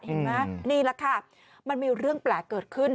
เห็นไหมนี่แหละค่ะมันมีเรื่องแปลกเกิดขึ้น